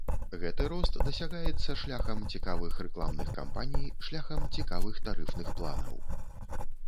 Гэты рост дасягаецца шляхам цікавых рэкламных кампаній, шляхам цікавых тарыфных планаў.